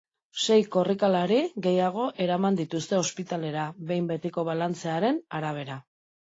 Sei korrikalari gehiago eraman dituzte ospitalera, behin betiko balantzearen arabera.